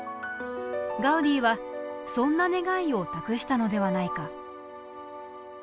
ガウディはそんな願いを託したのではないか。